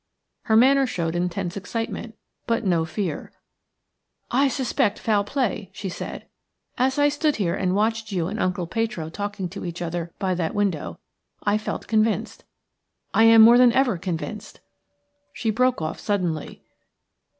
Her manner showed intense excitement, but no fear. "I suspect foul play," she said. "As I stood here and watched you and Uncle Petro talking to each other by that window I felt convinced – I am more than ever convinced —" She broke off suddenly.